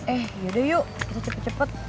eh yaudah yuk kita cepet cepet